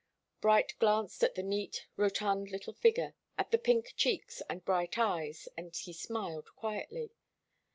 Bright glanced at the neat, rotund little figure, at the pink cheeks and bright eyes, and he smiled quietly.